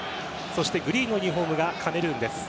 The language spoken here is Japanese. そしてグリーンのユニホームがカメルーンです。